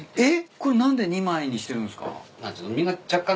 これ何で２枚にしてるんすか？